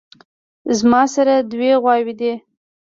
ماسره دوې غواوې دي